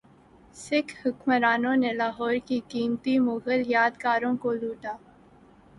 سکھ حکمرانوں نے لاہور کی قیمتی مغل یادگاروں کو لوٹا